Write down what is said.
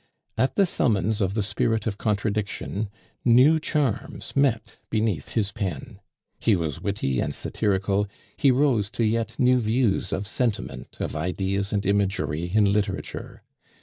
At the summons of the spirit of contradiction, new charms met beneath his pen. He was witty and satirical, he rose to yet new views of sentiment, of ideas and imagery in literature.